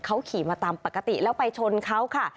เขาขี่มาตามปกติแล้วไปชนเขาค่ะ